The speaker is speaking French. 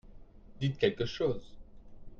dites quelque chose.